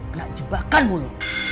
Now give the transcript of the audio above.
kena jebakan mulu